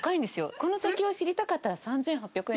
この先を知りたかったら３８００円。